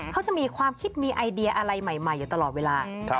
เขาจะมีความคิดมีไอเดียอะไรใหม่อยู่ตลอดเวลา